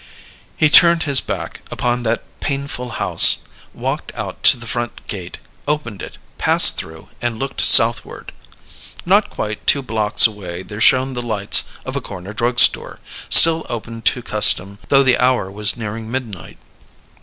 He turned his back upon that painful house, walked out to the front gate, opened it, passed through, and looked southward. Not quite two blocks away there shone the lights of a corner drug store, still open to custom though the hour was nearing midnight.